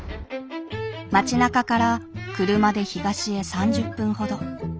町なかから車で東へ３０分ほど。